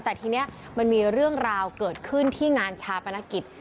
แต่ทีนี้มันมีเรื่องราวเกิดขึ้นที่งานชาปนกิจ